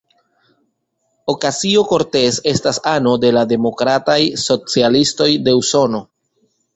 Ocasio-Cortez estas ano de la Demokrataj Socialistoj de Usono.